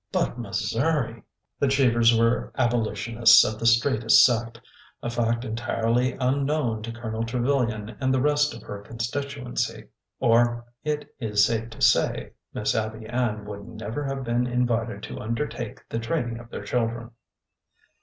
But Missouri 1 " The Cheevers were Abolitionists of the straitest sect, — a fact entirely unknown to Colonel Trevilian and the rest of her constituency, or— it is safe to say— Miss Abby Ann would never have been invited to undertake the training of their children.